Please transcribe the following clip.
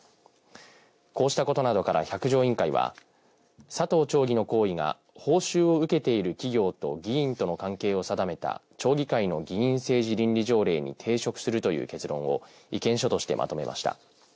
こうしたことなどから百条委員会は佐藤町議の行為が報酬を受けている企業と議員との関係を定めた町議会の議員政治倫理条例に抵触するという結論を意見書としてまとめました。